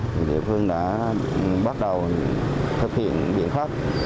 thì địa phương đã bắt đầu thực hiện biện pháp